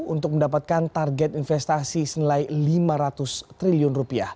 untuk mendapatkan target investasi senilai lima ratus triliun